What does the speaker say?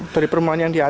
dari permainan yang di atas